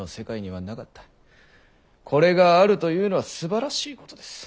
これがあるというのはすばらしいことです。